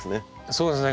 そうですね